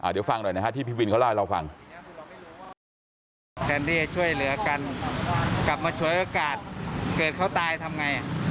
เดี๋ยวฟังหน่อยนะฮะที่พี่วินเขาล่าให้เราฟัง